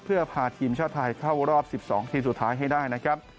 เพื่อพาทีมชาติไทยเข้ารอบ๑๒ทีมสุดท้ายให้ได้นะครับ